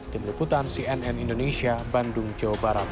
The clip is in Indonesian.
di meliputan cnn indonesia bandung jawa barat